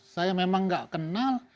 saya memang nggak kenal